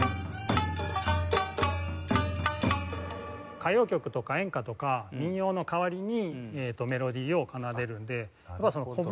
歌謡曲とか演歌とか民謡の代わりにメロディーを奏でるのでやっぱりこぶし。